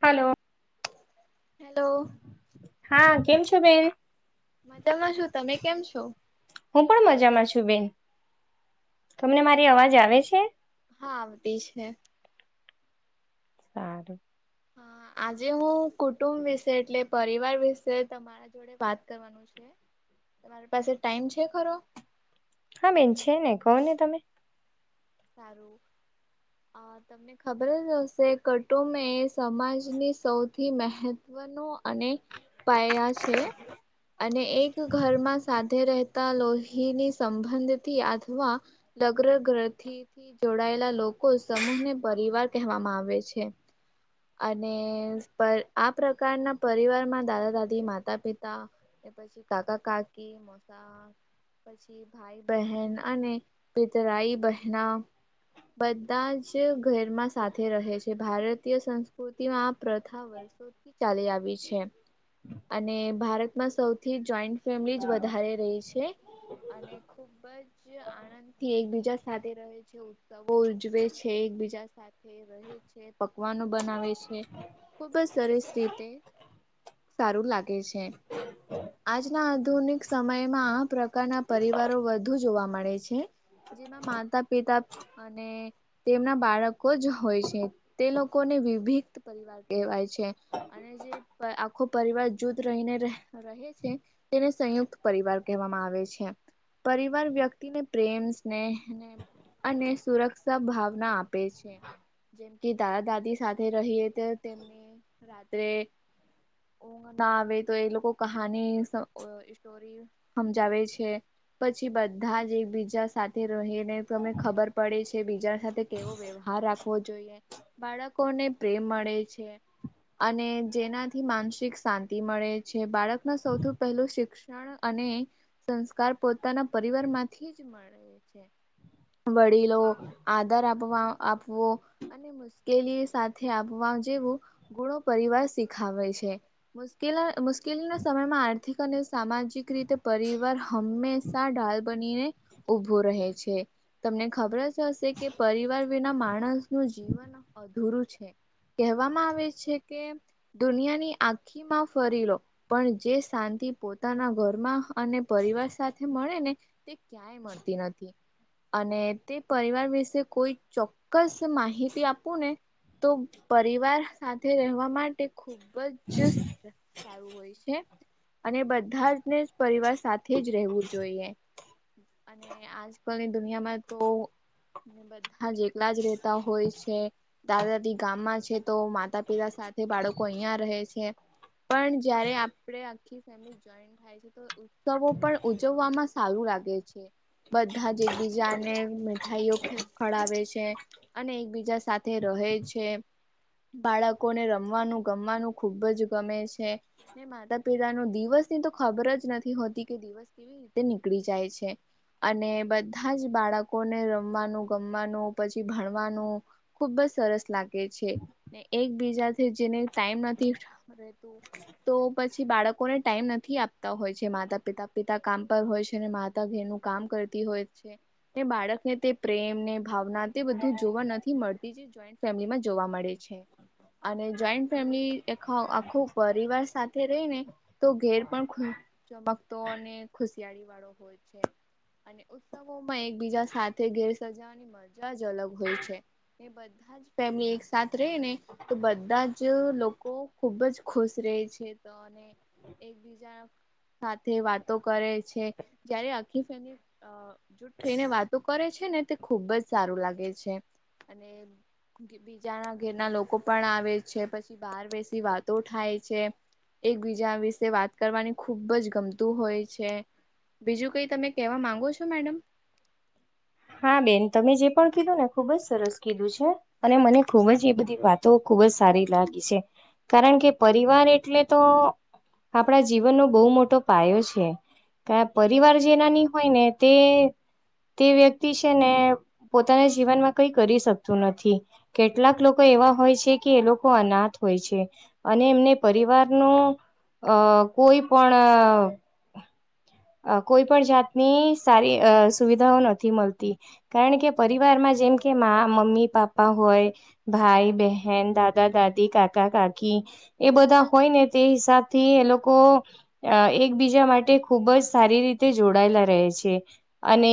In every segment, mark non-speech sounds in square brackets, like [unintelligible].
Hello hello હા કેમ છો બેન મજામાં શું તમે કેમ છો હું પણ મજામાં છું બેન તમને મારી અવાજ આવે છે હા બધી છે સાર આજે હું કુટુંબ વિશે એટલે પરિવાર વિશે તમારા જોડે વાત કરવાનું છે તમારી પાસે ટાઈમ છે ખરો હા બેન છે ને કહો ને તમે સારું અ તને ખબર જ હશે કુટુંબ એ સમાજની સૌથી મહત્વનું અને પાયા છે અને એક ઘરમાં સા રહેતા લોહીની સંબંધથી અથવા લગ થીથી જોડાયેલા લોકો સમૂહ ને પરિવાર કહેવામાં આવે છે અને આ પ્રકારના પરિવારમાં દાદા દાદી માતા પિતા અને પછી કાકા કાકી મસા પછી ભાઈ બહેન અને પિતરાઈ બહેના બધા જ ઘરમાં સાથે રહે છે ભારતીય સંસ્ સકૃતિમાં આ પ્રથા વર્ષોથી ચાલી આવી છે અને ભારતમાં સૌથી જોઈન્ટ ફેમિલી જ વધારે રહી છે અને ખુબ જ આનંદ થી એકબીજા સાથે રહે છે ઉત્સવો ઉજવે છે એકબીજા સાથે છે પકવાનો બનાવે છે ખુબ જ સરસ રીતે સારું લાગે છે આજના આધુનિક સમયમાં આ પ્રકારના પરિવારો વધુ જોવા મળે છે જેમાં માતા પિતા અને તેમના બાળકો જ હોય છે તે લોકોને વિભક્ત પરિવાર કહેવાય છે અને જે આખો પરિવાર જૂથ રહીને રહે છે તેને સંયુક્ત પરિવાર કહેવામાં આવે છે પરિવાર વ્યક્તિને પ્રેમ સ્નેહને અને સુરક્ષા ભાવના આપે છે જે કે દાદા દાદી સાથે રહીએ તો તેમને રાત્રે ઊ ના આવે તો એ લોકો કહાની સ્ટોરી સમજાવે છે પછી બધા જ એકબીજા સાથે રને તમને ખબર પડે છે બીજા સાથે કેવો વ્યવહાર રાખવો જોઈએ બાળકોને પ્રેમ મળે છે અને જેનાથી માનસિક શાંતિ મળે છે બાળકનું સૌથી પહેલું શિક્ષણ અને સંસ્કાર પોતાના પરિવાર માંથી જ મળે છે વડીલો આદર આપ આપવો અને કેલી સાથે આપવા જેવું ગુણો પરિવાર શીખાવે છે મુશ્કેિ મુ ઉશકેલીના સમયમાં આર્થિક અને સામાજિક રીતે પરિવાર હંમેશાાલ બનીને ઉભું રહે છે તમને ખબર જ હશે કે પરિવાર વિના માણસનુંું જીવન અધૂરું છે કહેવામાં આવે છે કે દુનિયાની આખી માં ફરી લો પણ જે શાંતિ પોતાના ઘરમાં અને પરિવાર સાથે મળે ને તે ક્યાંય મળતી નથી અને તે પરિવાર વિશે કોઈ ચોક્કસ માહિતી આપ આપને તો પરિવાર સાથે રહેવા માટે ખુબ જ સારું હોય છે અને બધા જને પરિવાર સાથે જ રહેવું જોઈએ અને આજકાલની દુનિયામાં તો બધા જેટલા જ રેતા હોય છે દાદા દાદી ગામમાં છે તો માતા પિતા સાથે બાળકો અહિયાં રહે છે પણ જયારે આપે આખી ફેમિલી જોઈન્ટ થાય છે તો ઉત્સવો પણ ઉજવવામાં સારું લાગે છે બધા જ એકબીજાને મીઠાઈઓ ખડાવે છે અને એકબીજા સાથે તે રહે છે બાળકોને રમવાનું ગમવાનું ખુબ જ ગમે છે ને માતા પિતા ન દિવસની તો ખબર જ નથી હોતી કે દિવસ કેવી રીતે નીકળી જાય છે અને બધા જ બાળકોને રમવાનું ગમવાનું પછી ભણવાનું ખુબ જ સરસ લાગે છે ને એકબીજા જેને ટાઈમ નથી તો તો પછી બાળકોને ટાઈમ નથી આપતા હોય છે માતા પિતા પિતા કામ પર હોય છે અનેને માતા ઘેરનું કામ કરતી હોય છે ને બાળકને તે પ્રેમ ને ભાવના તે બધું જોવા નથી મળતું બીજી જોઈન્ટ ફેમિલીમાં જોવા મળે છે. અને જોઈન્ટ ફેમિલી આખો પરિવાર સાથે રહી ને તો ઘેર પણ ચમકતો અને ખુશિયાળી વાળો હોય છે અને ઉત્સવો માં એકબીજા સાથે ઘેર સજાવાની મજા જ અલગ હોય છે એ બધા જ ફેમિલી એકસાથ રહે ને તો બધા જ લોકો ખુબ જ ખુશ રહે છે તો અને એકબીજા સાથે વાતો કરે છે જયારે આખીફ એની જૂટ થઈને વાતો કરે છે ને તે ખુબ જ સારું લાગે છે અને બીજાના ઘેરના લોકો પણ આવે છે પછી બહાર બેસી વાતો થાય છે. એકબીજા વિશે વાત કરવાની ખૂબ જ ગમતું હોય છે. બીજું કઈ તમે કહેવા માંગો છો મેડમ હા બેન તમે જે પણ કીધું ને ખુબજ સરસ કીધું છે. અને મને ખૂબ જ એ બધી વાતો ખુબ જ સારી લાગી છે. કારણ કે પરિવાર એટલે તો આપણા જીવનનો બહુ મોટો પાયો છે. પરિવાર જેનાની હોય ને તે તે વ્યક્તિ વ્યક્તિ છે ને પોતાના જીવનમાં કઈ કરી શકતું નથી. કેટલાક લોકો એવા હોય છે કે એ લોકો અનાથ હોય છે. અને એમને પરિવાર નુ અ કોઈ પણ અ કોઈ પણ જાતની સારી અ સુવિધાઓ નથી મળતી. તી કારણ કે પરિવારમાં જેમ કે મા મમ્મી પાપા હોય ભાઈ બહેન દાદા દાદી કાકા કાકી એ બધા હોય ને તે હિસાબથી એ લોકો અ એકબીજા માટે ખૂબ જ સારી રીતે જોડાયેલા રહે છે અને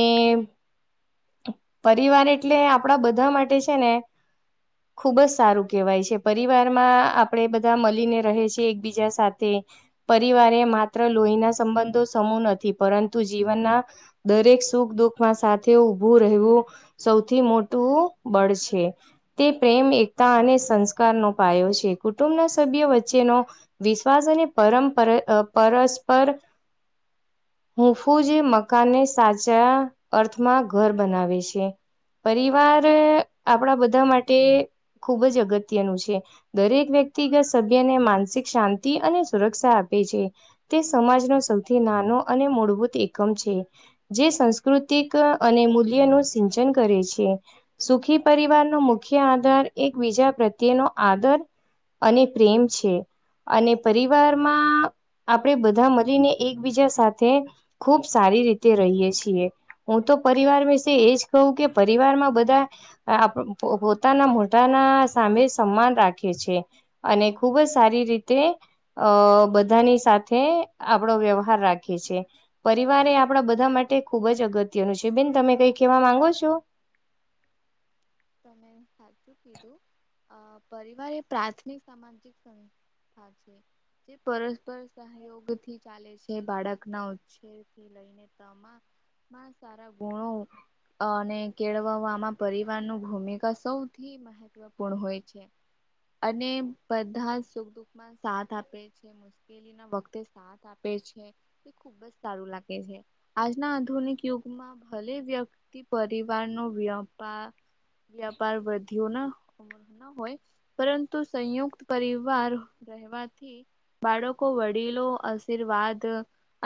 પરિવાર એટલે આપણા બધા માટે છે ને હ [unintelligible] ખૂબ જ સારું કહેવાય છે પરિવારમાં આપણે બધા મળીને રહે છ એકબીજા સાથે પરિવારે માત્ર લોહીના સંબંધો સમૂહ નથી પરંતુ જીવનના દરેક સુખ દુઃખમાં સાથ તે ઊભું રહેવું સૌથી મોટું બળ છે. તે પ્રેમ એકતા અને સંસ્કારનો પાયો છે કુટુંબના સભ્ય વચ્ચેનો વિશ્વાસ અને પરંપ પર અ પરસ્પર હુંફુ જે મકાને સાચા માં ઘર બનાવે છે પરિવાર આપણા બધા માટે ખુબ જ અગત્યનું છે. દરેક વ્યક્તિગત સભ્યને માનસિક શાંતિ અને સુરક્ષા આપે છે. તે સમાજનો સૌથી નાનો અને મૂળભૂત એકમ છે જે સંસ્કૃતિક અને મૂલ્ય નું સિંચન કરે છે. સુખી પરિવારનો મુખ્ય આધાર એક બીજા પ્રત્યેનો આદર અને પ્રેમ છે. અને પરિવારમાં આપણેે બધા મળીને એકબીજા સાથે ખૂબ સારી રીતે રહીયએ છીએ. હું તો પરિવાર વિશે એજ કહું કે પરિવાર માં બધા પોતાના મોઢાના સામે સમાન રાખે છે. અને ખુબ જ સારી રીતે અ બધાની સાથે આપડો વ્યવહાર રાખીએ છીએ. પરિવાર એ આપણા બધા માટે ખુબ જ અગત્યનું છે બેન તમે કઈ કેહેવા માંગો છો. તમે સાચું કીધું અ પરિવારે પ્રાથમિક સામાજિક સં જે પરસ્પર સહયોગ થી ચાલે છે બાળકના ઉછેર થી લઈને તમ સા ગુણો અને કેળવવામાં પરિવાર નો ભૂમિકા સૌથી મહત્વપૂર્ણ હોય છે. અને બધા સુખ દુઃખમાં સાથ આપે છે. મુશ્કેલી ના વખતે સાથ આપે છે તે ખુબ જ સારું લાગે છે. આજના આધુનિક યુગમાં ભલે વ્યક્તિ પરિવારનો વ્યાપાર વ્યાપાર વધ્યો ના હોય પરંતુ સંયુક્ત પરિવાર રહેવાથી બાળકો વડીલો આશીર્વાદ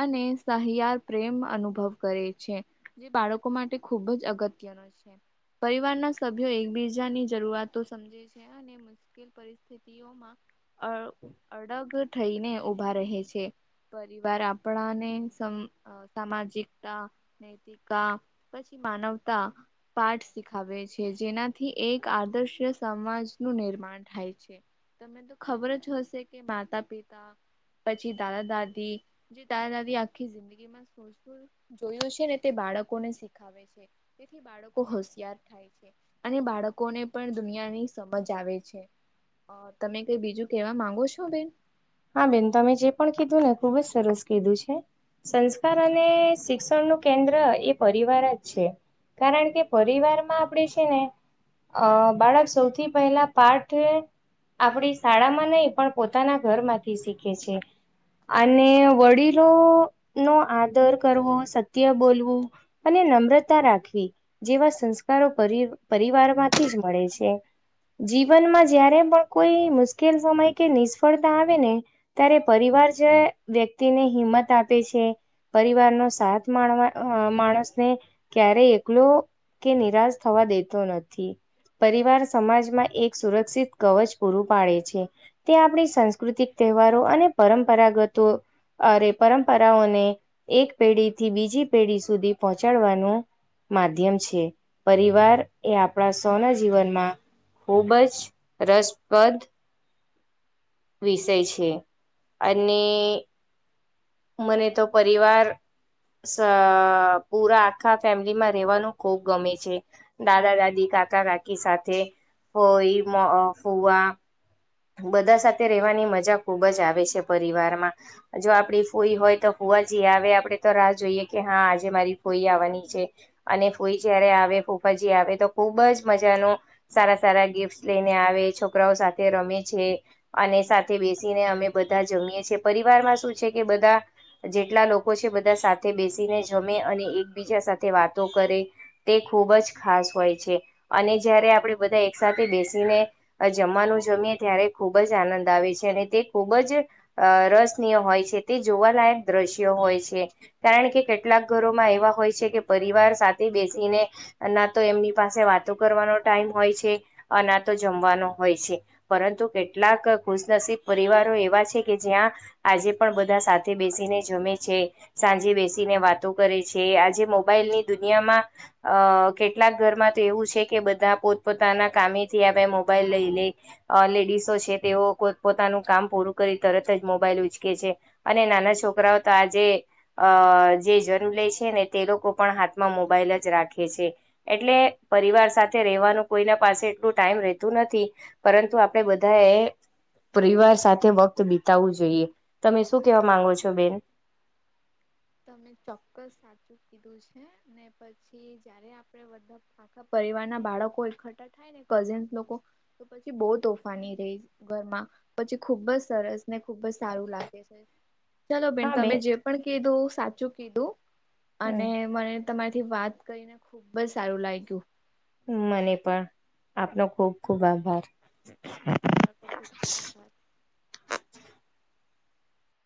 અને સહિયાર પ્રેમ અનુભવ કરે છે. જે બાળકો માટે ખુબ જ અગત્યનો છે પરિવારના સભ્યો એકબીજાની જરૂરતો સમજે છે અને મુશ્કેલ પરિસ્થિતિઓમાં અ અડાગઢ થઈને ઉભા રહે છે પરિવાર આપણાને સામાજિકતા ને પછી માનવતા પાઠ શીખાવે છે. જેનાથી એક આદર્શ સમાજનું નિર્માણ થાય છે. તને તો ખબર જ હશે કે માતા પિતા પછી દાદા દાદી જે દાદા દાદી આખી જિંદગીમાં વતુ જોયું છે ને તે બાળકોને શીખાવે છે તેથી બાળકો હોશિયાર થાય છે અને બાળકોને પણ દુનિયાની સમજ આવે છે અ તમે કઈ બીજું કેવા માંગો છો બેન? હા બેન તમે જે પણ કીધું ને ખુબ જ સરસ કીધું છે સંસ્કાર અને શિક્ષણ નું કેન્દ્ર એ પરિવાર જ છે કારણ કે પરિવાર માં આપણે છે ને અ બાળક સૌથી પહેલા પાઠ આપણી શાળામાં નહી પણ પોતાના ઘર માંથી શીખે છે અને વડીલો નો આદર કરવો સત્ય બોલવું અને નમ્રતા રાખવી. જેવા સંસ્કારો પર પરિવારમાંથી જ મળે છે. જીવનમાં જયારે પણ કોઈ મુશ્કેલ સમય કે નિષ્ફળતા આવે ને. ત્યારે પરિવાર જે વ્યક્તિને હિંમત આપે છે પરિવાર નો સાત માણ માણસને ક્યારે એકલો કે નિરાશ થવા દેતો નથી પરિવાર સમાજમાં એક સુરક્ષિત કવચ પૂરું પાડે છે તે આપણી સાંસ્કૃતિક તહેવારો અને પરંપરાગતો અરે પરંપરાઓને એક પેઢી થી બીજી પેઢી સુધી પહોંચાડવાનું માધ્યમ છે પરિવાર એ આપણા સૌના જીવનમાં ખૂબ જ રસપ્રદ વિષય છે અને મને તો પરિવાર અ પૂરા આખા ફેમિલી માં રેવાનું ખૂબ ગમે છે. દાદા દાદી કાકા કાકી સાથે ફઈ ફુવા બધા સાથે રહેવાની મજા ખુબ જ આવે છે પરિવારમાં જો આપણી ફૂઈ હોય તો ફૂવા જ આવે આપડણે તો રાહ જોઈએ કે હા આજે મારી ફૂઈ આવવાની છે. અને ફૂઈ જયારે આવે ફૂફાજી આવે તો ખૂબ જ મજાનો સારા સારા ગિફ્ટ લઈને આવે છોકરાઓ સાથે રમે છે અને સાથે બેસીને અમે બધા જમીએ છીએ પરિવારમાં શું છે કે બધા જેટલા લોકો છે બધા સાથે બેસીને જમે અને એકબીજા સાથે વાતો કરે તે ખૂબ જ ખાસ હોય છે અને જ્યારે આપણે બધા એક સાથેથે બેસીને જમવાનું જમીએ ત્યારે ખૂબ જ આનંદ આવે છે અને તે ખૂબ જ અ રસનીય હોય છે તે જોવાલાયક દ્રશ્યો હોય છે કારણ કે કેટલાક ઘરોમાં એવા હોય છે કે પરિવાર સાથે બેસીને ના તો એમની પાસે વાતો કરવાનો ટાઈમ હોય છે ના તો જમવાનો હોય છે પરંતુ કેટલાક ખુશનસીબ પરિવારો એવા છે કે જ્યાં આજે પણ બધા સાથે બેસીને જમે છે સાંજે બેસીને વાતો કરે છે આજે મોબાઈલની દુનિયામાં અ કેટલાક ઘરમાં તો એવું છે કે બધા પોતપોતાના કામેથી આ ભાઈ મોબાઈલ લઈ લે અ લેડસો છે તેઓ પોતાનું કામ પૂરું કરી તરત જ મોબાઈલ ઉચકે છે અને નાના છોકરાઓ તો આજે અ જે જન્મ લે છે ને તે લોકો પણ હાથમાં મોબાઈલ જ રાખે છે એટલે પરિવાર સાથે રહેવાનું કોઈના પાસે એટલું ટાઈમ રહેતું નથી પરંતુ આપડે બધા એ પરિવાર સાથે વક્ત બીતાવવું જોઈએ તમે શું કેવા માંગો છો બેન તમે ચોક્કસ સાચું કીધું છે ને પછી જયારે આપડ બધ આખા પરિવાર ના બાળકો એકઠા થાય ને કઝિન લોકો તો પછી બહુ તોફાની રહીશ ઘરમાં પછી ખુબ જ સરસ ને ખુબ જ સારું લાગે છે ચાલો બેન હમ તમે જે પણ કીધો સાચું કીધું અને મને તમારીથી વાત કરીને ખુબ જ સારું લાગ્યું મને પણ આપનો ખુબ ખુબ આભાર હા તમારો ખ ખૂબ ખૂબ આભાર